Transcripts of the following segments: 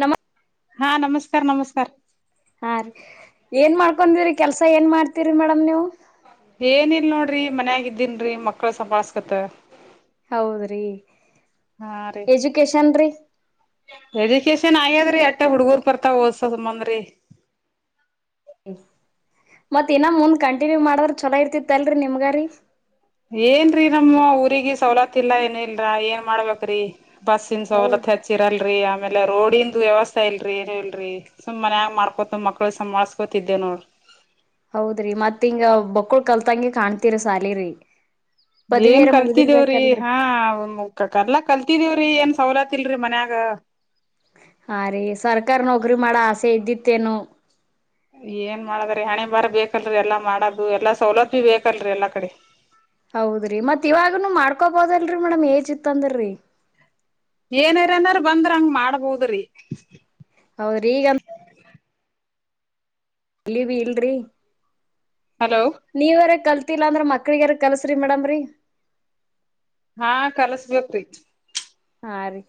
ನಮ್ಮ. ಹಾ ನಮಸ್ಕಾರ ನಮಸ್ಕಾರ. ಹಾ ರೀ ಏನ್ ಮಾಡ್ಕೊಬಿ್ರರಿ ಕೆಲ್ಸ ಏನ್ ಮಾಡ್ತೀರಿ ಮೇಡಮ್ ನೀವು. ರೀ ಮನ್ಯಾಗಿದ್ದೀನ್ರೀ ಮಕ್ಳ ಸಪಸ್ಕತ್. ಹೌದ್ರೀ. ರೀ ಎಜುಕಷನ್ ರೀ. ಎಜುಕೇಶನ್ ಆಗ್ಯದ್ರಿ ಅಟ್ಟ ಹುಡ್ಗೂರ್ ಕೊರ್ತಾವ ಓದಸ ಸುಂಬಂದ್ರಿ. ಮತ್ ಇನ್ನ ಮುಂದ್ ಕಂಟಿನ್ಯೂ ಮಾಡದ್ರ ಚೊಲೋ ಇರ್ತಿತ್ತ ಅಲ್ರರಿ ನಿಮ್ಗಾರಿೀ. ಏನ್ರೀ ನಮ್ಮ ಊರಿಗೆ ಸವ್ಲತ್ತು ಇಲ್ಲಾ ಏನ ಇಲ್ಲ ಏನ್ ಮಾಡ್ಬೇಕ್ರಿ. ಬಸ್ಸಿನ ಹೌದ್ ಸವ್ಲತ್ ಹೆಚ್ಚಿರಲ್ರಿ ಆ ಆಮೇಲೆ ರೋಡಿನ್ದು ವ್ಯವಸ್ಥಾ ಇಲ್ರಿ ಏನು ಇಲ್ರಿ ಸುಮ್ಮ್ ಮನ್ಯಾಗ್ ಮಾಡ್ಕೊತ ಮಕ್ಳ ಸಂಬಾಳ್ಸ್ಕೊತಿದ್ದೆ ನೋಡ್ರಿ. ಹೌದ್ರಿ ಮತ್ ಹಿಂಗ ಬಕುಳ್ ಕಲ್ತಂಗೆ ಕಾಣ್ತೀರಿ ಸಾಲಿರಿ. ಏನ್ ಪದವಿಯರ ಕಲ್ತಿದಿವ್ರಿ ಮುಗ್ದಿರ್ಬೇಕಲ್ರರಿ ಹಾ ಕರ್ಲಾ ಕಲ್ತಿದೇವ್ರಿ ಏನ್ ಸವ್ಲತ್ ತಿಲ್ರಿ ಮನ್ಯಾಗ. ಹಾ ರೀ ಸರ್ಕಾರ್ ನೌಕ್ರಿ ಮಾಡ ಆಸೆ ಇದ್ದಿತ್ತೇನೊ. ಏನ್ ಮಾಡದ್ರೀ ಹಣೆ ಬಾರ ಬೇಕಲ್ರಿ ಎಲ್ಲಾ ಮಾಡದು ಎಲ್ಲಾ ಸವ್ಲತ್ತು ಬೇಕಲ್ರಿ ಎಲ್ಲಾ ಕಡಿ. ಹೌದ್ರಿ ಮತ್ ಇವಾಗುನು ಮಾಡ್ಕೊಬೋದಲ್ರಿ ಮೇಡಮ್ ಏಜ್ ಇತ್ತಂದ್ರರಿ. ಏನಾರ್ ಏನಾರ್ ಬಂದ್ರ ಹಂಗ್ ಮಾಡ್ಬೋದ್ರಿ. ಹೌರಿಗನ್ ಇಲ್ಲಿವಿ ಇಲ್ರಿ. ಹಲೋ ನೀವರ ಕಲ್ ತ್ತಿಲ್ಲಾ ಅಂದ್ರ ಮಕ್ಳಗಾರ ಕಲ್ಸ್ರಿ ಮೇಡಮ್ರಿ. ಹಾ ಕಲ್ಸ್ಬೇಕ್ರಿ. ಹಾ ರೀ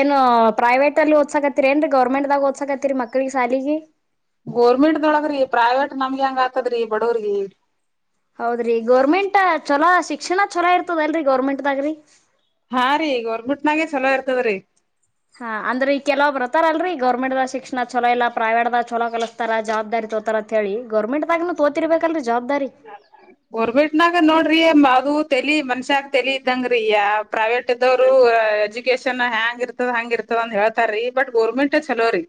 ಏನು ಪ್ರೈವೇಟ್ ಅಲ್ ಓದ್ಸಕತ್ತರಿ ಏನ್ರೀ ಗೌರ್ಮೆಂಟ್ದಾಗ್ ಓದ್ಸಕತಿರಿ ಮಕ್ಳಿಗೆ ಸಾಲಿಗೆ. ಗೋರ್ಮೆಂಟ್ದೊಳಗ್ರೀ ಪ್ರೈವೇಟ್ ನಮ್ಗೆ ಹೆಂಗ್ ಆತದ್ರೀ ಬಡವ್ರಗಿ. ಹೌದ್ರಿ ಗೋರ್ಮೆಂಟ ಚೊಲಾ ಶಿಕ್ಷಣ ಛಲೋ ಇರ್ತದಲ್ರಿ ಗೌರ್ಮೆಂಟ್ದಾಗ್ರಿ. ಹಾ ರೀ ಗೌರ್ಮೆಂಟ್ನಾಗೆ ಚಲೋ ಇರ್ತದ್ರೀ. ಹಾ ಅಂದ್ರ ಈ ಕೆಲವ್ ಈರ್ತಾರಲ್ರಿ ಗೌರ್ಮೆಂಟ್ ದ ಶಿಕ್ಷಣ ಚಲೋ ಇಲ್ಲ ಪ್ರೈವೇಟ್ದಾಗ ಚಲೋ ಕಲಸ್ತಾರ ಜವಾಬ್ದಾರಿ ತೋತಾರ ಅಂತ ಹೇಳಿ ಗವರ್ಮೆಂಟ್ದಾಗನು ತೋತಿರ್ಬೇಕಲ್ರರಿ. ಜವಾಬ್ದಾರಿ ಗೋರ್ಬೆಟ್ನಾಗ ನೋಡ್ರಿ ಅದು ತಲಿ ಮನ್ಷ್ಯಾಗ ತಲಿ ಇದ್ದಂಗ್ರೀ ಪ್ರೈವೇಟ್ ಇದದವರು ಎಜುಕೇಶನ್ ಹೆ್ಯಾಂಗ ಇರ್ತದ ಹಂಗ ಇರ್ತದ ಅಂದ ಹೇಳ್ತಾರೀ ಬಟ್ ಗೋರ್ಮೆಂಟ್ ಚಲೋರಿ.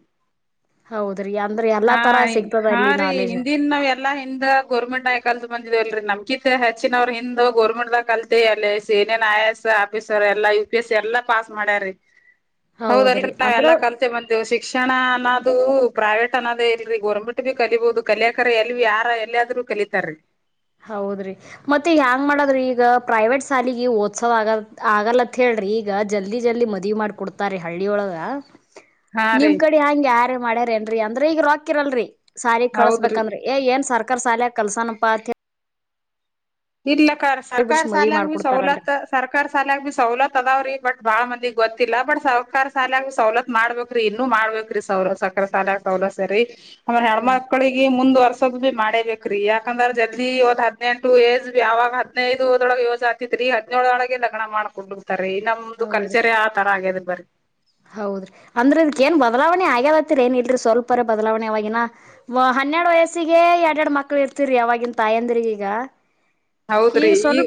ಹೌದ್ರಿ ಅಂದ್ರೆ ಎಲ್ಲಾ ಹಾ ತರ ಸಿಗ್ತದ ಹಾ ಅಲ್ಲಿ ರೀ ನಾಲೆಜ್ ಹಿಂದನ್ ನಾವ ಎಲ್ಲಾ ಹಿಂದ ಗೋರ್ಮೆಂಡ ಆಯ. ಬಂದಿದವಲ್ರಿ ನಮ್ಕಿತ್ ಹೆಚ್ಚಿನವ ಹಿಂದ್ ಗೋರ್ಮೆಂಟ್ ದಾಗ ಕಲ್ತಿ ಅಲ್ಲಿ ಸೇನೆನ್ ಐ ಎಸ್ ಆಫೀಸರ್ ಎಲ್ಲಾ ಯು ಪಿ ಎಸ್ ಎಲ್ಲಾ ಪಾಸ್ ಮಾಡ್ಯ್ರೀ. ಹೌದಲ್ ಹೌದ್ರಿ ಎಲ್ಲಾ ಅಂದ್ರ ಕಲ್ತೇವು ಮತ್ತೆ ಶಿಕ್ಷಣ. ಅದು ಪ್ರೈವೇಟ್ ಅನ್ನದೇ ಇಲ್ರಿ ಗೋರ್ಮೆಂಟ್ ಭ ಕಲಿಬಹುದು ಕಲಿಯಕ್ರ ಎಲ್ ಯಾರ ಎಲ್ಲಾದ್ೂ ಕಲಿತಾರೀ. ಹೌದ್ರಿ ಮತ್ತೆ ಹ್ಯಾಂಗ್ ಮಾಡದ್ರಿ ಈಗ ಪ್ರೈವೇಟ್ ಸಾಲಿಗೆ ಓಡ್ಸಾದು ಆಗ ಆಗಲತ್ ಹೇಳ್ರಿ ಈಗ ಜಲ್ದಿ ಜಲ್ದಿ ಮದವಿ ಮಾಡ್ಕ ಕೊಡ್ತಾರಿ ಹಳ್ಳಿಯೊಳಗ. ಹಾ ನಿಮ್ ರೀ ಕಡೆ ಹಂಗೆ ಯಾರ ಮಾಡ್ಯಾರ. ರಅಂದ್ರೆ ಈಗ ರೂಕ್ಕಿರಲ್ರರಿ. ಸಾಲಿಗೆ ಹೌದ್ರಿ ಕಳಸ್ಬೇಕಂದ್ರೆ ಏ ಏನ್ ಸರ್ಕಾರ ಶಾಲೆಗೆ ಕಲ್ಸ್ನಾನಪ [unintelligible] ಇಲ್ಲ ಹೇಳಿ ಸರ್ಕಾರ ಬಿಡ್ಸಿ ಮದ್ವಿ ಸಾಲ ಬಿ ಮಾಡ್ಕೊಡ್ತಾರಲ್ರಿ ಸವಲತ್ತು ಸರ್ಕಾರ ಸಾಲ ಬಿ ಸವಲತ್ ಅದಾವ ರೀ ಬಟ್ ಬಾಳ ಮಂದಿಗ್ ಗೊತ್ತಿಲ್ಲ ಬಟ್ ಸರ್ಕಾರ ಸಾಲಾಗ ಸವಲತ್ ಮಾಡ್ಬೇಕ್ರಿ ಇನ್ನುೂ ಮಾಡ್ಬ್ರಿ ಸೌಲ ಸರ್ಕಾರ ಸಾಲಾಗ ಸವಲತ್ ರಿ ಆ ಹ ಹೆಣ್ಮಕ್ಕಳಿಗೆ ಮುಂದ ವರ್ಷ ತದ್ ಬಿ ಮಾಡೇಬೇಕ್ರೀ ಯಾಕಂದ್ರ ಜಲ್ದಿ ಒಂದ್ ಹದ್ನೆಂಟು ಏಜ್ ಯಾವಾಗ್ ಹದ್ನೈದೊಳಗೆ ಯೋಜ್ ಆಗ್ತಿತ್ರಿ ಹದ್ನೇಳಳೊಳಗೆ ಲಗ್ನ ಮಾಡ್ಕೊಂಡು. ತರಿ ನಮ್ದು ಹೌದ್ರಿ ಕಲ್ಚರಿ ಆ ತರ ಆಗ್ಯದ್ರಿ ಬರ್ರೀ. ಹೌದ್ರಿ ಅಂದ್ರ ಇದಕ್ ಏನ್ ಬದ್ಲಾವಣೆ ಆಗ್ಯದಂತಿರಿ ಏನ್ ಇಲ್ರಿ ಸ್ವಲ್ಪರ ಬದ್ಲಾವಣೆ ಅವಾಗಿನ ಹನ್ನೆಡ್ ವಯಸ್ಸಿಗೆ ಎರ್ಡ್ ಎರ್ಡ್ ಮಕ್ಳು ಇರ್ತಿರಿ ಅವಾಗಿನ್ ತಾಯಂದ್ರಿಗೀಗ. ಹೌದ್ರಿ ಈ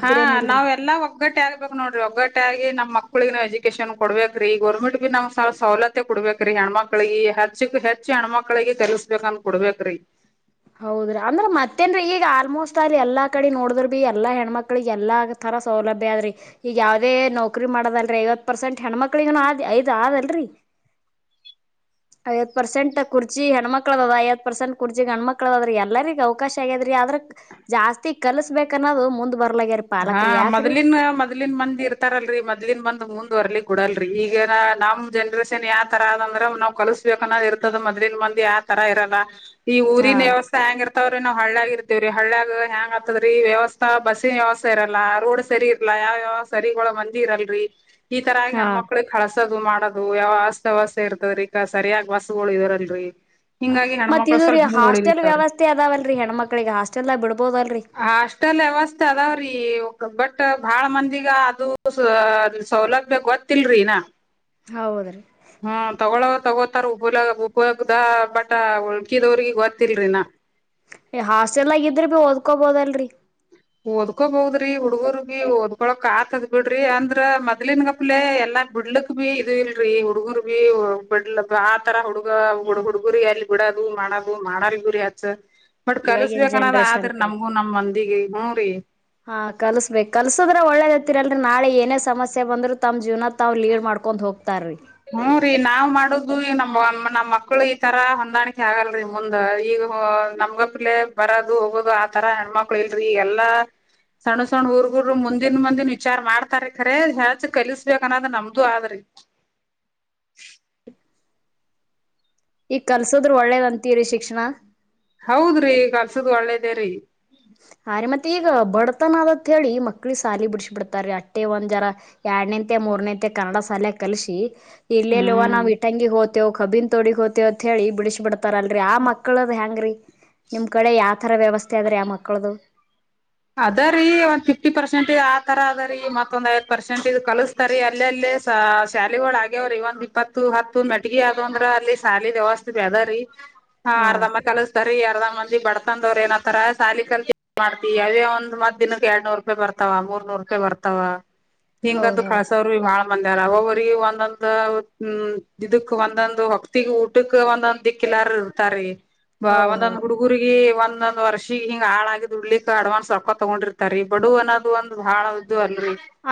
ಹಾ ನಾವ್ ಎಲ್ಲಾ ಒಗ್ಗಟ್ ಆಗ್ಬೇಕು ನೋಡ್ರಿ ಒಗ್ಗಟ್ ಆಗಿ ನಮ್ ಮಕ್ಳಗ್ ಎಜು ಕೇಶನ್ ಕೊಡ್ಬೇಕ್ರಿ ಗೌರ್ಮೆಂಟ್ ಬಿ ನಾವ್ ಸ ಸೌಲತೆ ಕೊಡ್ಬೇಕ್ರಿ ಹ ಹೆಣ್ಮಕ್ಳಿಗೆ ಹೆಚ್ಚಕ್ ಹೆಚ್ಚ ಹೆಣ್ಮಕ್ಳಿಗೆ ಕೆಲ್ಸ್ಬೇಕಂತ ಕೊಡ್ಬೇಕ್ರೀ. ಹೌದ್ರಿ ಅಂದ್ರ ಮತ್ತೇನ್ರಿ ಈಗ ಆಲ್ಮೋಸ್ಟ್ ಅಲ್ ಎಲ್ಲಾ ಕಡೆ ನೋಡದ್ರ ಬಿ ಎಲ್ಲಾ ಹೆಣ್ಮಕ್ಳಗ್ ಎಲ್ಲಾ ತರ ಸೌಲಭ್ಯ ಆದ್ರಿ ಈಗ್ ಯಾವ್ದೇ ನೌಕ್ರರಿ ಮಾಡದಲ್ರಿ ಐವತ್ ಪರ್ಸೆಂಟ್ ಹೆಣ್ಮಕ್ಳಿಗ್ ಆದ್ ಐದ್ ಆದಲ್ರಿ, ಐವತ್ ಪರ್ಸೆಂಟ್ ಕುರ್ಚಿ ಹೆಣ್ಮಕ್ಳದದ ಐವತ್ ಪರ್ಸೆಂಟ್ ಕುರ್ಚಿ ಗಂಡ್ಮಕ್ ಕಳ್ದ್ರಿ ಎಲ್ಲರಿಗ್ ಅವ್ಕಾಶ ಆಗ್ಯಾದ್ರಿ ಆದ್ರ ಜಾಸ್ತಿ ಕಲ್ಸ್ಬೇಕ್ ಅನ್ನೋದ್ ಮುಂದ್ ಬರ್ ಹಾ ಮೊದ್ಲಿನ್ ಮೊದ್ಲಿನ್ ಮಂದ್ ಇರ್ತಾರಲ್ರಿ ಮೊದ್ಲಿನ್ ಬಂದ್ ಮುಂದ್ ಇದು ಅರ್ಲಿ ಕೊಡಲ್ರಿ ಈಗೆನ ನಮ್ ಜನ್ರೇಷನ್ ಯಾವ್ ತರ ಅದಂದ್ರ ನಾವ್ ಕಲಸ್ಬೇಕನ್ನ್ ಇರ್ತದ ಮೊದ್ಲಿನ್ ಮಂದಿ ಯಾವ್ ತರ ಇರಲ್ಲ. ಈ ಹಾ ಊರಿನ್ ವ್ಯವಸ್ತ ಹೆಂಗ್ ಇರ್ತವ್ರೀ ನಾವ್ ಹಳ್ಳಗ್ ಇರ್ತಿವ್ರಿ ಹಳ್ಳ ಹೆಂಗ್ ಆತದ ರೀ ವ್ಯವಸ್ಥಾ ಬಸ್ಸಿನ್ ವ್ಯವಸ್ಥಾ. ಸರಲ್ಲಾ ರೋಡ್ ಸರಿ ಇಲ್ಲಾ ಯಾವ್ಯಾವ ಸರಿಗುಳ ಮಂದಿ ಇರಲ್ರಿ. ಹ ತರಾಗ್ ಹಾ ಹೆಣ್ಮಕ್ಳಿಗ್ ಕಳ್ಸದ್ ಇದು ಮಾಡದು ಯಾವ ಆಸ್ತ ವಸೆ ಇರ್ತದ್ರಿ ಕ ಈಗ ಸರಿಯಾಗ್ ಬಸ್ಸುಗುಳ್ ಇದ್ರಲ್ರಿ. ಹ ಮತ್ತ ಇದು ರರಿ ಹಾಸ್ಟೆಲ್ ವ್ಯವಸ್ಥೆ ಅದಾವಲ್ರಿ ಹೆಣ್ಮಕ್ಳಿಗೆ ಹಾಸ್ಟೆಲ್ ಬಿಡ್ಬೋದಲ್ರರಿ ಹಾಸ್ಟೆಲ್ ವ್ಯವಸ್ಥೆ ಅದಾವ್ರಿ ಬಟ್ ಬಾಳ ಮಂದಿಗ ಅದು ಸೌಲಭ್ಯ ಗೊತ್ತಿಲ್ರೀನಾ ಹೌದ್ರೀ ತಗೋತಾರ ಉಬಲ ಉಬೋಗದ ಬಟ ಉಳ್ಕಿದವ್ರಿಗೆ ಗೊತ್ತಿಲ್ರಿನಾ ಹಾಸ್ಟೆಲ್ ಆಗಿದ್ರ ಬಿ ಓದ್ಕೋಬೋದಲ್ರರಿ ಓದ್ಕೊಬಹದ್ರಿ ಹುಡ್ಗರ್ ಭಿ ಓದ್ೊಳಕ್ ಆತದ್ ಬಿಡ್ರಿ ಅಂದ್ರ ಮೊದ್ಲನ್ಗಪ್ಲೆ ಎಲ್ಲಾ ಬಿಡ್ಲಕ್ ಬಿೀ ಇದು ಇಲ್ರಿ ಹುಡ್ಗರ್ ಭೀ ಬಿಡ್ಲ ಆತರ ಹುಡುಗ ಹುಡ್ಗರಿ ಅಲ್ ಬಿಡದು ಮಾಡದು ಮಾಡಾರಿ ಬಿೀರರಿ ಹಚ್ಚ ಬಟ್ ಇವಾಗಿನ ಕಲ್ಸ್ಬೇಕನ್ನದ್ ಆದ್ರ ಜನ್ರೇಷನ್ಕ್ರಿ ನಮಗೂ ನಮಂದ ಹಾ ಕಲ್ಸ್ಬೇಕು ಕಲ್ಸದ್ರೆ ಒಳ್ಳೇದತಿ ಲ್ ನಾಳೆ ಏನೇ ಸಮಸ್ಯೆಂದ್ರರು ತಮ್ಮ್ ಜೀವನ ತಾ್ ಲೀಡ್ ಮಾಡ್ಕೊಂಡ್ೋಗತ ಹ್ಮ ರೀ ನಾವ್ ಮಾಡದು ನಮ್ ಮಕ್ಳು ಈತರ ಹೊಂದಾಣಿಕೆ ಆಗಲ್ರರಿ ಮುಂದ್ ಈಗ ನಮ್ಗಪ್ಿಲೆ ಬರೋದು ಹೋಗೋದು ಆತರ ಹೆಣ್ಮಕ್ಳು ಇಲ್ರಿೀ ಈ ಎಲ್ಲಾ ಸಣ್ಣ ಸಣ್ ಊರ್ಗುರು ಮುಂದಿನ ಮುಂದನ್ ವಿಚಾರ ಮಾಡ್ತಾರ ಖರ ಯಾಚ ಕಲಿಸಬೇಕ ಅನ್ನೋದ್ ನಮ್ದು ಆದ್ರಿ ಈಗ್ ಕಲ್ಸೋದ್ರರು ಒಳ್ಳೇದ್ ಅಂತೀರಿ ಶಿಕ್ಷಣ ಹೌದ್ರಿ ಕಲ್ಸದ ಒಳ್ಳೇದೇ ರೀ ಅ ರೀ ಮತ್ತೆ ಈಗ ಬಡ್ತನದತ್ ಹೇಳಿ ಮಕ್ಳಿ ಸಾಲಿ ಬಿಡ್ಸಿ ಬಿಡ್ತಾರ ಅಷ್ಟೆ ಒಂದ್ ಜರ ಎರಡ್ನೇಂತೆ ಮೂರನೇಂತೆ ಕನ್ನಡ ಸಾಲಿಯ ಕಲ್ಸಿ ಇಲ್ಲೆಲ್ವ ಹ್ಮ್ ನಾವವು ಇಟಂಗಿ ಹೋತೆೇವ ಕಬಿನ್ ತೊಡಿಿೋ ಹಥಳಿ ಬುಿಶ ಬಟ್ಟ ರಲ್ರರಿ ಆ ಮಕ್ಕಳದ ಹೆಂಗ್ರೀ ನಿಮ್ ಕಡೆ ಯಾವ ತರ ವ್ಯವಸ್ಥೆ ಆದ್ರೆ ಆ ಮಕ್ಕ ಮಕ್ಕಳದು ಅದ್ರೀ ಒಂದ್ ಫಿಫ್ಟಿ ಪರ್ಸೆಂಟ್ ಆತರ ಅದರಿ ಮತ್ತೊಂದ್ ಐದ್ ಪರ್ಸೆಂಟ್್ ಕಲಸ್ತಾರಿ ಅಲ್ಲ ಅಲ್ಲೇ ಶ್ಯಾಲಿಗಳ ಆಗ್ಯವ್ರಿ ಒಂದ್ ಇಪ್ಪತ್ತು ಹತ್ತು ಮೆಟ್ಗಿ ಅದಂದ್ರ ಅಲ್ಲಿ ಶಾಲಿ ವ್ಯವಸ್ಥದೆ ಅದ್ರೀ ಹಾ ಅರ್ಧಮ್ಮ ಕಲಿಸತಾರಿ ಅರ್ಧಾಮ ಬಡ್ತಂದವ್್ರ ಏನತರ ಸಾಲಿ ಕಲ್ ಮಾಡ್ ಅದೇ ಒಂದ ಮತ್ ದಿನದ ಎಡ್ನೂರು ರೂಪಾಯಿ ಬರ್ತಾವ ಮೂರ್ನೂರ್ ರೂಪಾಯಿ ಬರ್ತಾವ ಹಿಂಗದುು ಹೌದ್ ಹೌದ್ ಕಳ್ಸವ್ರಿ ಬಾಳ ಮಂದಾರ ಅವ ಅವ್ರಿಗೆ ಒಂದೊಂದ್ ಹ್ಮ ಇದಕ್ ಒಂದೊಂದ್ ಹೊಕ್ತಿಗ್ ಊಟಕ್ ಒಂದೊಂದ್ ದಿಕ್ಕಲಾರ ಇರ್ತಾರಿೀ ಹೌದ್ ಒಂದೊಂದ್ ಹೌದ್ರಿ. ಹುಡುಗರಿಗೆ ಒಂದ್ ಒಂದೊಂದ ವರ್ಷಗ ಹಿಂಗ ಹಾಳ ಆಗ್ ಉುಳಿ ಅಡ್ವಾನ್ಸ್ ರೊಕ್ಕೊ ತಗೊಂಡಿರ್ತಾರೆ ಬಡಡು ಅನ್ನೋದು ಒಂದು ಬಹಳದು ಅಲ್ಲಿ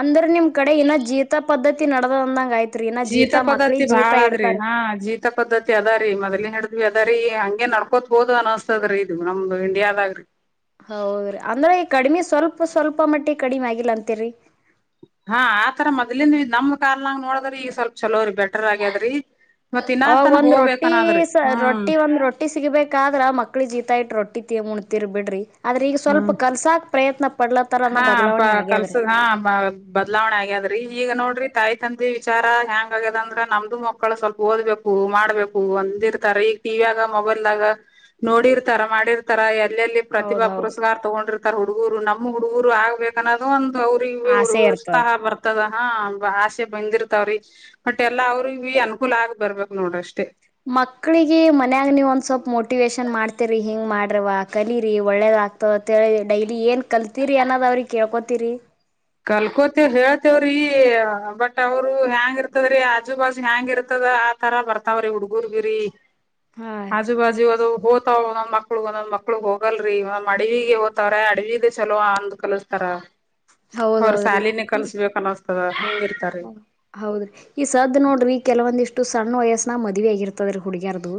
ಅಂದ್ರ ನಿಮ್ ಕಡೆ ಇನ್ನ ಜೀತ ಪದ್ಧತಿ ನಡದ ಅಂದಂಗ ಆಯ್ು ಜೀತ ಪದ್ಧತಿ ಬಾಳಾದ್ರಿ ಹಾ ಜೀತ ಪದ್ಧತಿ ಅದ ರೀ ಮೊದ್ಲಿ ಹ ್ವಿ ಅದ ರೀ ಹಂಗೆ ನಡ್ಕೋತ್ಬೋದು ಅನಿಸಸ್ತದ್ರೀ ಇದು ನಮ್ದು ಇಂಡಿಯಾದಾಗ್ರಿ ಹೌದ್ರಿ ಅಂದ್ರ ಈ ಕಡಿಮಿ ಸ್ವಲ್ಪ ಸ್ವಲ್ಪ ಮಟ್ಟಿ ಕಡಿಮೆ ಆಗಿಲ್ಲ ಅಂತಿರಿ ಹಾ ಆತರ ಮೊ್ಲಿಂದ ನಮ್ ಕಾಲ್ನಂಗ್ ನೋಡದ್ರ ಈಗ ಸ್ವಲ್ಪ ಚಲೋ್ರಿ ಬೆಟರ್ ಆಗ್ಯದ್ರಿ ಮತ್ ಅವಾಗ ಇನ್ನಾತನ ಒಂದ್ ರೊಟ್ಟಿ ಹೋಗ್ಬೇಕನ್ನದ್ರಿ ಹ್ಮ್ ರೊಟ್ಟಿ ಒಂದ್ ರೊಟ್ಟಿ ಸಿಗ್ಬೇಕಾದ್ರ ಮಕ್ಳಿ ಜೀತ ಇಟ್ ರೊಟ್ಟಿ ಟ್ಟಿ ಮು ತಿೀರ್ ಬಿಡ್ರಿ ಆದ್ರ ಈಗ ಹ ಸ್ವಲ್ಪ ಕಲ್ಸಾಕ್ ಪ್ರಯತ್ನ ಪಡ್ಲತ್ತಾರ ಅನ್ನೋ ಹಾ ಪ ಬದಲಾವಣೆ ಆಗ್ಯಾದ್ರಿ ಕಲ್ಸದ ಹಾ ಬದಲಾವಣೆ ಆಗ್ಯದ್ರಿ ಈಗ ನೋಡ್ರಿ ತಾಯಿ ತಂದಿ ವಿಚಾರ ಹೆಂಗ್ ಆಗ್ಯದ ಅಂದ್ರ ನಮ್ದು ಮಕ್ಕಳು ಸ್ವಲ್ಪ ಓದ್ಬೇಕು ಮಾಡ್ಬೇಕು ಒಂದಿರ್ತಾರ ಈಗ ಟಿವಿ ಆಗ ಮೊಬೈಲ್ದಾಗ ನೋಡಿರ್ತಾರ ಮಾಡಿರ್ತಾರ [unintelligible] ಹೌದ್ ಪ್ರತಿಭಾ ಹೌದ್ರಿ. ಪುರಸ್ಕಾರ ತಗೊಂಡಿರ್ತಾರ್ ಹುಡುಗರು ನಮ್ ಹುಡುಗರು ಆಗ್ಬೇಕ ಅನ್ನೋದು ಒಂದ ಅವ್ರಿಗೆ ಹೋಗಿ ಆಸೆ ಇರ್ತದ. ಉರತ್ಸಾಹ ಬರ್ತದ ಹಾ ಆಸೆ ಬಂದಿರ್ತಾವ್ರಿ ಬಟ್ ಎಲ್ಲಾ ಅವ್ರಗ್ಬಿ ಅನುಕೂಲ ಆಗ್ ಬರ್ಬೇಕರಿ ನೋಡ್ರಿ ಅಷ್ಟೇ ಮಕ್ಳಿಗೆ ಮನ್ಯಾಗ ನೀವ ಒಂದ ಸ್ವಲ್ಪ ಮೋಟಿವೇಶನ್ ಮಾಡ್ತರಿ ಹಿಂಗ್ ಮಾಡ್ರವಾ ಕಲೀರಿ ಒಳ್ಳೇದಾಗ್ತದಂತ ಹೇಳಿ ಡೈಲಿ ಏನ್ ಕಲ್ತಿರಿ ಅನ್ನೋದ್ ಅವ್ರಿಗಿ ಕೇಳ್ಕೊತಿರಿ ಕಲ್ಕೋತೇವ ಹೇಳ್ತೇವ್ರೀ ಬಟ್ ಅವರು ಹ್ಯಾಂಗ್ ಇರ್ತದ್ರಿ ಆಜು ಬಾಜು ಹ್ಯಾಂಗ್ ಇರ್ತದ ಆತರಾ ಬರ್ತಾವ್ರಿ ಹುಡ್ಗುರ್ಗಿರೀ ಹಾ ಆಜು ಬಾಜು ಅದು ಹೋತಾವ ಒಂದೊಂದ್ ಮಕ್ಳು ಒಂದೊಂದ್ ಮಕ್ಳು ಹೋಗಲ್ರಿ ಒಂದ್ ಅಡವಿಗೆ ಹೋಗ್ತವರ್ಯ ಅಡವಿದ ಚಲೋ ಅಂದ್ ಕಲಸ್ತಾರ ಹೌದ ಅವ್ರ ಹೌದ್ರಿ ಸಾಲಿನೇ ಈ ಕಲ್ಸ್ಬೇಕ ಅನಸ್ತದ ಹಿಂಗ ಇರ್ತಾರಿ ಹೌದ್ರಿ ಈ ಸದ ನೋಡ್ರಿ ಕೆಲವೊಂದಿಷ್ಟು ಸಣ್ಣ ವಯಸ್ಸನ್ಯಾಗ ಮದುವಿ ಆಗಿರ್ತದರಿ ಹುಡುಗ್ಯರ್ದು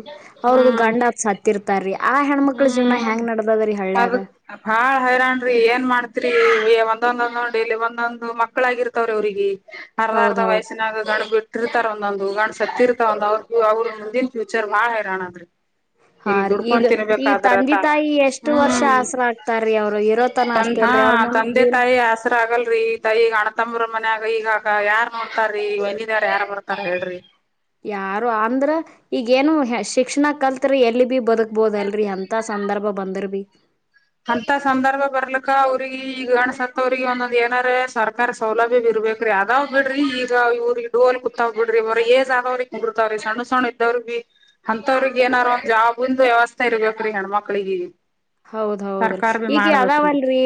ಅವ್ರದು ಗಂಡದ ಸತ್ತಿರ್ತಾರೀ ಹ್ಮ ಅದಕ ಆ ಹೈರಾನ್ರಿ ಏನ್ ಮಾಡ್ತ ಒಂದೊಂದೊಂದೊಂದುಲ್ಲಿ ಒಂದೊಂದು ಮಕ್ಕಳಾಗಿರ್ತವ್ರೀ ಅವ್ರಿಗೆ ಅರ್ಧ ಹೌದ್ ಅರ್ಧ ಹೌದ್ ವಯಸ್ಸಿನಾಗ ಗಂಡ ಬಿಟ್ಟಿರ್ತಾರ ಒಂದೊಂದು ಗಂಡ ಸತ್ತಿರ್ತಾವಂದ ಅವ್ರ ಅವ್ರರು ಮುಂದಿನ ಫ್ಯೂಚರ್ ಭಾಳ ಹೈರಾಣದರಿ ಹಾ ರೀ ಈಗ ಈ ತಂದೆ ತಾ ತಾಯಿ ಎಷ್ಟು ವರ್ಷ ಹ್ಮ್ ಆಸರ ಆಗ್ತಾರ್ರೀ ಅವ್ರು ಇರೋತನ ತನ್ ಅಷ್ಟೇ ಹಾ ಅಲ್ರಿ ಅವ್ರ ಮುಂದ ತಂದೆ ಜೀವ್ನ ಇ ಮನ್ಯಾಗ ಈಗಾಗ ಯಾರ್ ನೋಡ್ತಾರೀ ಹೊರಗಿನ್ಯವರ ಯಾರ್ ಬರ್ತಾರ ಹೇಳ್ರಿ ಯಾರು ಅಂದ್ರ ಈಗಏನು ಶಿಕ್ಷಣ ಕಲ್ತರ ಎಲ್ಲಿ ಬಿ ಬದುಕ್ಬೋದ ಅಲ್ರರಿ ಎಂತ ಸಂದರ್ಭ ಬಂದ್ರ ಭೀ ಹಂತ ಸಂದರ್ಭ ಬರ್ಲಕ್ಕ ಅವ್ರಿಗೆ ಈಗ ಗಂಡಸತ್ತವ್ರಿಗೆ ಒಂದೊಂದ್ ಏನರೆ ಸರ್ಕಾರ ಸೌಲಭ್ಯ ಇಡರ್ಬೇಕ್ರಿ ಅದಾವ ಬಿಡ್ರಿ ಈಗ ಇವ್ರಿಗೆ ಇಟ್ಕೊಂಡ್ ಕುಂತಾವ್ ಬಿಡ್ರಿ ಅವರ ಏಜ್ ಆದವ್ರಿಗೆ ಕುಂಡ್ರತಾವ್ರಿ ಸಣ್ಣ ಸಣ್ಣ ಇದ್ದವ್ರ ಭಿ ಅಂತವ್ರಿಗೆ ಏನಾರ ಒಂದ್ ಜಾಬ್ಂದ ವ್ಯವಸ್ಥೆ ಇರ್ಬೇಕ್ರಿ ಹೆಣ್ಮಕ್ಳಿಗಿ ಹೌದೌದ್ರೀ ಈಗ ಅದಾವಲ್ರಿ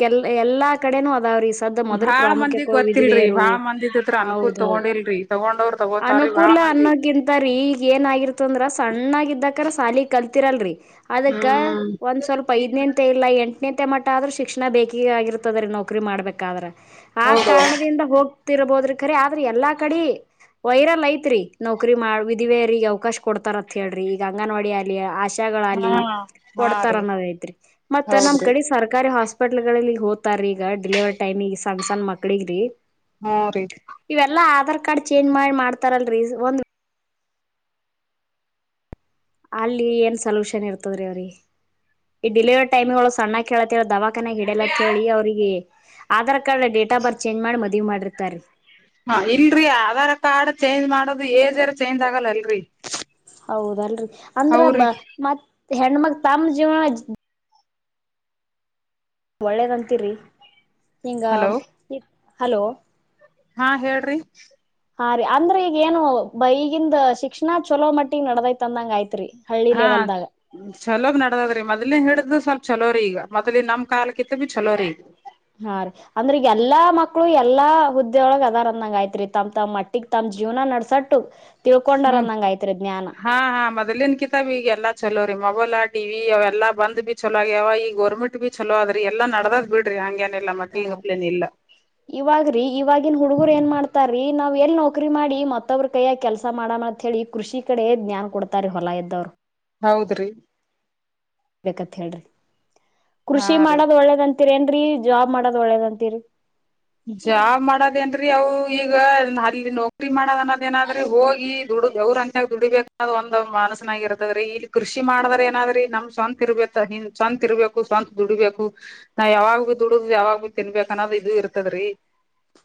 ಕೆಲ್ ಎಲ್ಲಾ ಕಡೆನೂ ಅದಾವ್ರೀ ಸದ ಮೊದಲ ಬಾಳ ಮಂದಿಗ್ ಪ್ರಾಮುಖ್ಯತೆ ಗೊತ್ತಿಲ್ರಿ ವಿಧವೆಯರು ಬಾಳ ಮಂದಿದತ್ರ ಅನುಕೂಲ್ ಹೌದೌದ ತಗೊಂಡಿಲ್ರಿ ತಗೊಂಡವ್ರ ತಗೋತಾರೀ ಬಾಳ ಅನುಕೂಲ ಮಂದಿ ಅನ್ನೋಕ್ಕಿಂತರೀ ಈಗ ಏನಾಗಿರ್ತದ ಅಂದ್ರ ಸಣ್ಣಾಗ ಇದಕರ ಸಾಲಿ ಕಲ ತಿರಲ್ರಿ ಅದಕ್ಕ ಹ್ಮ್ ಒಂದ ಸ್ವಲ್ಪ ಐದ್ನಂತೆ ಇಲಾ ಎಂಟ ತ್ನತೆ ಮಟ್ಟ ಆದ್ರೂ ಶಿಕ್ಷಣ ಬೇಕೆ ಆಗಿರ್ತದೆ ರೀ ನೌಕರಿ ಮಾಡಬೇಕಾದ್ರ ಆ ಹೌದೌದು ಕಾರಣದಿಂದ ಹೋಗ್ ಇರಬೋದ್ರಿ ಖರಿ ಆದ್ರ ಎಲ್ಲಾ ಕಡಿ ವೈರಲ್ ಐತ್ರಿ ನೌಕರಿ ಮಾಡ ವಿಧಿವೇಯರಿಗೆ ಅವಕಾಶ ಕೊಡ್ತಾರತ್ ಹೇಳ್ರಿ ಈಗ ಅಂಗನವಾಡಿ ಅಲ್ಲಿ ಆ ಜಗಳ ಹಾ ಆಗಲಿ ಹಾ ಕೊಡ್ತಾರ ರೀ ಅನ್ನೋದ ಐತ್ರಿ ಮತ್ತ ನಮ್ ಹೌದ್ರಿ ಕಡೆ ಸರ್ಕಾರಿ ಹಾಸ್ಪಿಟ್ಲ್ ಗಳಲ್ಲಿಗ್ ಹೋತಾರಿ ಈಗ ಡಿಲಿವರಿ ಟೈಮಿಗ ಸಣ್ಣ ಸಣ್ಣ ಮಕ್ಳಿಗ್ರೀ ಹಾ ರೀ ಕಾರ್ಡ್ ಚೇಂಜ್ ಮಾಡಿ ಮಾಡ್ತಾರಲ್ರೀ ಒಂದ ಅಲ್ಲಿ ಏನ್ ಸೊಲ್ಯೂಷನ್ ಇರ್ತದ್ರೀ ಅವ್ರೀ ಈ ಡೆಲಿವರಿ ಟೈಮಿಳ ಸಣ್ಣ ಕೇಳತ್ತರ ದವಾ ಕನ ಹಿಡಲತ್ ಹೇಳಿ ಅವ್ರಿಗೆ ಆಧಾರ್ ಕ ೇಟಾ ಬರ್ ಚೇಂ್ ಮಾಡ ಮುವ ಮಾಡಿ ಬರುತಾರೆ ಹ ಇಲ್ರರಿ ಆಧಾರ್ ಕಾರ್ಡ್ ಚೇಂಜ್ ಮಾಡೋದು ಏಜ್ಾರ ಚೇಂಜ್ ಆಗಲ್ಲ ಅಲ್ರರಿ ಹೌದಲ್ರಿೀ ಅಂದ್ರಬ ಹೌರಿ ಮತ್ ಹೆಣ್ಣ್ಮಾಗ ತಮ್ಮ ಜವ ಒಳ್ಳೇದಂತೀರಿ ಈಂಗ ಹಲೋ ಹಲೋ ಹಾ ಹೇಳ್ರಿ ಹಾ ರೀ ಅಂದ್ರೆ ಈಗ ಏನು ಬ ಈಗಿ ಶಿಕ್ಷಣ ಚಲೋ ಮಟ್ಟಿಗಿ ನಡದೈತ್ ಅಂದಂಗ ಐತ್ರಿ ಹಾ ಚಲೋಗ್ ನಡದದ್ರಿ ಮೊದ್ನೇ ಹೇಳ್ದ ಸ್ವಲ್ಪ ಚಲೋರಿ ಈಗ ಮೊದಲ ನಮ್ ಕಾಲಕ್ಕಿಂತ ಬಿ ಚಲೋರಿ ಈಗ ಹಾ ರೀ ಅಂದ್ರ ಎಲ್ಲಾ ಮಕ್ಳು ಎಲ್ಲಾ ಹುದ್ದೆೊಳಗ್ ಅದಾರ್ ಅಂದಂಗ ಆಯ್ತ್ರಿ ತಮ್ ತಮ್ ಮಟ್ಟಿಗ್ ತಮ ಜೀವನ ನಡಸಟ್ಟು ಹ್ಮ್ ಹಾ ಹಾ ಮೊದ್ಲನ್ ಕಿತಬ ಈಗ ಎಲ್ಲಾ ಚಲೋ ಮೊಬೈಲ್ ಟಿ ಅವ ಎಲ್ಲ ಬಂದ್ ಬಿ ಚಲೋ ಆ್ಯಾವ ಈ ಗೋರ್ೆಟ್ ಬಿ ಚಲೋ ಆದ್ರಿ ಎಲ್ಲ ನಡದ್ ಬಿಡ್ರಿ ಹಂಗ ನ ಹಾ ಇವಾಗ್ರೀ ಇವಾಗಿವಾಗಿನ್ ಹುಡುಗರು ಏನ್ ಮಾಡ್ತಾರೀ ನಾವ್ ಎಲ್ ನೌಕರಿ ಮಾಡಿ ಮತ್ತವ್ರ ಕೈಯ ಕೆಲ್ಸ ಮಾಡಮ್ಮ ಅತ್ ಹೇಳಿ ಕೃಷಿ ಕಡೆ ಜ್ಞಾನ್ ಕೊಡ್ತಾರ ಹೊಲಾ ಎದ್ದವ್ರು ಹೌದ್ರಿ ಕಥ ಹೇಳಡ್ರ ಹಾ ಕೃಷಿ ರೀ ಮಾಡೋದು್ ಒಳ್ಳೇದಂತ ರೇನ್ರೀ ಜಾಬ್ ಮಾಡೋದ್ ಒಳ್ಳೇದಂತಿರಿ ಜಾ ಮಾಡದೇನ್ರರಿ ಅವು ಈಗ ಅಲ್ಲಿ ನೌಕರಿಿ ಮಾಡೋದ ಅನ್ನೋದ ಏನಾದ್ರೆ ಹೋಗಿ ದುಡ್ ಅವ್ರರು ಅಂತ್ಯ ದುಡಿಬೇಕು ಅನ್ನೋದ ಒಂದ್ ಮನಸನಾಗ ಇರ್ತದ್ರೀ ಇಲ್ಲಿ ಕೃಷಿ ಮಾಡಿದ್ರ ಏನಾದ್ರಿ ನಮ್ ಸ್ವಂತ ಇರ್ಬೇಕ ಹ ಸ್ವಂತತ್ ಇರ್ಬೇಕು ಸ್ವಂತತ್ ದುಡಿಬೇಕು ನಾ ಯಾವಾಗ ಬಿ ದುಡುದ್ ಯಾವಾಗ ಭ ತಿನ್ಬೇಕು ಅನ್ನೋದು ಇದು ಇರ್ತ ಹದ್ರೀ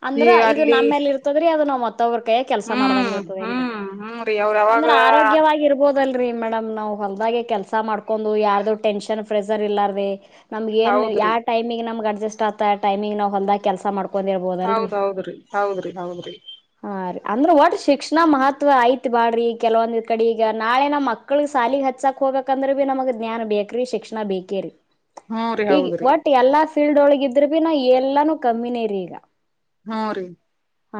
ಅಂದ್ರ ಇದು ನಮ್ಮೇಲ್ಲಿ ಇರ್ತದ್ರೀ ಅದ ನ್ ಮತ್ತೊಬ್ರ ಕೈಯ ಕೆಲ್ಸ ಹ್ಮ್ ಮಾಡ್ದಂಗ ಇರ್ತದ ಏನ್ರಿ ಹ್ಮ್ ಹ್ಮ್ ರೀ ಅವ್ರ ಯಾವಾಗ ಅಂದ್ರೆ ಆರೋಗ್ಯವಾಗಿ ಇರ್ಬೋದಲ್ ರೀ ಮೇಡಮ್ ನಾವ್ ಹೊಲ್ದೆ ಕೆಲ್ಸ ಮಾಡ್ಕೊಂಡು ಯಾರ್ದು ಟೆನ್ಷನ್ ಫ್ರೆಸರ್ ಇಲ್ಲೀ ನಮ್ಗ ಏನ್ ಯಾವ ಹೌದ್ರಿ ಟೈಮ ನಮ್ಗೆ ಅಡ್ ಅಸ್ಟ್ ಆತ ಟೈಮಂಗ್ ನಾ ಹೊಂದದ ಕೆಲಸ ಮಾಡಬೇಕ ಿರಬೋದಲ್ರಿ ಹೌದ್ ಹೌದ್ರಿ ಹೌದ್ರಿ ಹೌದ್ರಿ ಹ ರ ಅಂದ್ರೆ ಶಿಕ್ಷ ನ ಮಹತ್ವ ಐ ತ್ ಬಾಡ್ರಿ ಕೆಲವೊಂದ್ ಕಡಿ ಈಗ ನಾಳೆ ನಮ್ ಮಕ್ಳ ಸಾಲಿಗ್ ಹಚ್ಚಾಕ್ ಹೋಗಬೇಕಂದ್ರೆ ಭೀ ನಮಗ್ ಜ್ಞಾನ್ ಬೇಕ್ರಿ ಶಿಕ್ಷಣ ಬೇಕೇರಿ. ಹ್ಮ್ ರೀ ಇಗ್ ಹೌದ್ರಿ ಒಟ್ ಎಲ್ಲ ಸ್ ತಿಲ್ದೊಳ್ಗ್ ಇದ್ರರು ಬಿ ನಾ ಎಲ್ಲಾನು ಕಮ್ಮಿನೇರಿ ಈಗ. ಹು ರೀ.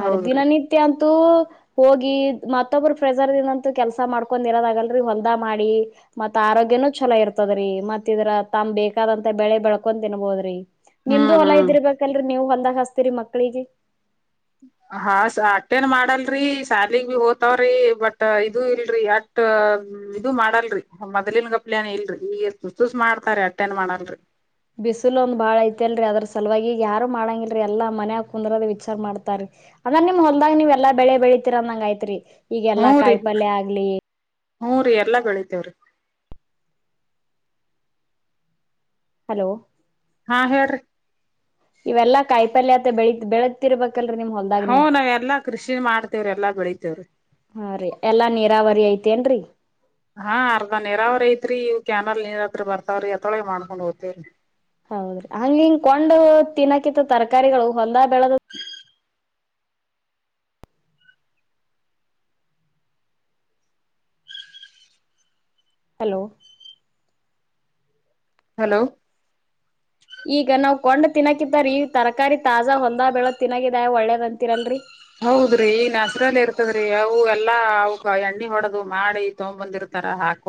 ಆರ್ ದಿನ ಹೌದ್ರಿ ನಿದ್ದೆ ಅಂ ತು ಹೋಗಿ ಮತ್ತೊಬ್ರು ಫ್ರೆಜರಿದಂತು ಕೆಲ್ಸ ಮಾಡ್ಕೊಂಡ್ ಇರೋದ್ ಆಗಲ್ರಿ ಹೊಲ್ದಾಗ್ ಮಾಡಿ ಮತ್ ಆರೋಗ್ಯನೂ ಚಲೋ ಇರ್ತದ್ರಿ ಮತ್ ಇದ್ರ ತಮ್ ಬೇಕಾದಂತ ಬೆಳೆ ಬೆಳ್ಕೊಂಡ್ ತಿನ್ಬೋದ್ರಿ. ನಿಮ್ದು ಹ್ಮ್ ಹೊಲ ಹ್ಮ್ ಇದ್ದಿರ್ಬೇಕಲ್ರಿ ನೀವು ಹೊಲ ಏನ್ ಹಸ್ತೀರಿ ಮಕ್ಳಿಗೆ. ಹಾಸ್ ಅಟೆನ್ ಮಾಡಲ್ರಿ ಸಾಲಿಗ್ ಭಿ ಹೋತವ್ರಿ ಬಟ್ ಇದು ಇಲ್ರಿ ಅಟ್ ಇದು ಮಾಡಲ್ರಿ ಮೊದ್ಲಿನ್ ಗಪ್ಲನ್ ಇಲ್ರಿ ಯು ಎಸ್ ಮಾಡ್ತಾರ ಅಟೆನ್ ಮಾಡಲ್ರಿ. ಬಿಸ್ಲ ಒಂದ್ ಬಾಳ ಐತ್ಲ್ರಿ ಅದ್ರ ಸಲ್ವಾಗಿ ಯಾರು ಮಾಡಂಗಿಲ್ರಿ ಎಲ್ಲ ಮನ್ಯಾಗ್ ಕುಂದ್ರದ ವಿಚಾರ ಮಾಡ್ತಾರೀ ಅಲ್ಲ ನಿಮ್ ಹೊಲ್ದಗ್ ನೀವ್ ಎಲ್ಲ ಬೆಳೆ ಬೆಳಿತೀರ ಅಂದಂಗ್ ಆಯ್ತ್ರಿ. ಈಗೆಲ್ಲಾ ಕಾಯ್ಪಲ್ಯ ಆಗ್ಲಿ. ಹುರಿ ಎಲ್ಲ ಬೆಳಿತ್ವ್ರಿ. ಹಲೋ ಹಾ ಹೇಳ್ರಿ. ಕಾಯ್ ಪಲ್ಯತ್ ಬೆಳ ಬೆಳೆತಿರ್ಬೇಕ್. ಹು ನಾವ್ ಎಲ್ಲಾ ಕೃಷಿ ಮಾಡ್ತೇವ್ ಎಲ್ಲಾ ಬೆಳಿತಿವ್ರಿ ಹಾ ರೀ ಎಲ್ಲಾ ನೀರಾವರಿ ಐತೇನ್ರರಿ ಹಾ ಅರ್ಧ ನೀರಾವರಿ ಐತ್ರಿ ಇವ್ ಕ್ಯಾ ಕಲ್ ನೀರ್ ಹತ್ರ ಬರ್ತಾವ್ರೀ ಅತ್ರೂಳ್ಗ್ ಮಾಡ್ಕೊಂಡ್ ಹೋಗ್ತಿವ್ರಿ. ಹೌದ್ರಿ ಅಲ್ ಹಿಂಗ ಕೊಂಡು ತಿನ್ನಕಿತ್ತು ತರ್ಕಾರಿಗಳು ಹೊಲ್ದಾ ಬೆಳ್ದು ಹಲೋ ಹಲೋ ಈಗ ನಾವ್ ಕೊಂಡ್ ತಿನಾಕಿಂತರಿ ತರಕಾರಿ ತಾಜಾ ಹೊಲ್ದಾಗ್ ಬೆಳ್ದ್ ತಿನಗಿದ ಒಳ್ಳೇದಂತೀರಲ್ರಿ. ಹೌದ್ರಿ ಈ ನಸ್ರಲ್ಲಿ ಇರ್ತದ್ರಿ ಅವು ಎಲ್ಲಾ ಅವುಕ ಎಣ್ಣಿ ಹೊಡದು ಮಾಡಿ ತೊಗಂಬಂದಿರ್ತಾರ ಹಾಕ್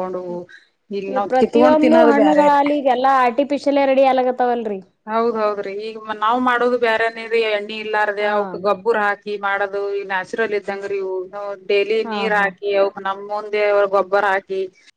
ಈ ಪ್ರತಿಯೊಂದು ತಿನ್ನೋದು ಬ್ಯಾರೆ ಹಣ್ಣುಗಳಲ್ಲಿ ಇಗ್ಯೆಲ್ಲಾ ಆರ್ಟಿಫಿಶಿಯಲ್ ಶಿಲ್ ರೆಡಿ ಯಾಲ್ಗದ್ ಹೌದೌದ್ರಿ ಈಗ ನಾವ್ ಮಾಡೋದು. ಬ್ಯಾರ ನೆರಿ ಎಂಟ್ ಇಲ್ಲಾರ್ದೆ ಹಾ ಅವ್ ಗೊಬ್ಬುರ ಹಾಕಿ ಮಾಡದ್ ದು ಇ ನಾಶ್ ಚುಲರ್ ಇದ್ದಂಗ್ರಿ ಇವು ನಾವ್ ಡೈಲಿ ಹಾ ನೀರ್ ಹಾ ಹಾಕಿ ಅವುಕ್ ನಮ್ಮೊಂದ್ ದೇವ್ರ್ ಗೊಬ್ಬರ ಹಾಕಿ.